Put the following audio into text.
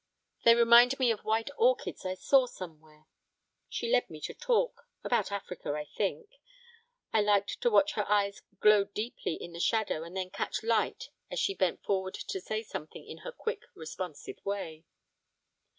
They remind me of white orchids I saw somewhere. She led me to talk; about Africa, I think. I liked to watch her eyes glow deeply in the shadow and then catch light as she bent forward to say something in her quick responsive way.